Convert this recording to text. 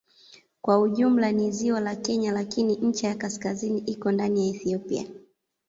Kwa jumla ni ziwa la Kenya lakini ncha ya kaskazini iko ndani ya Ethiopia.